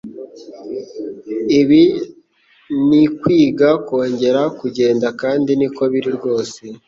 Ibi ni kwiga kongera kugenda kandi niko biri rwose